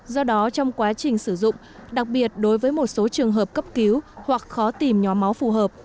do đó trong quá trình sử dụng đặc biệt đối với một số trường hợp cấp cứu hoặc khó tìm nhóm máu phù hợp